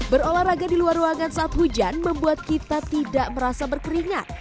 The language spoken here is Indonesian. berolahraga di luar ruangan saat hujan membuat kita tidak merasa berkeringat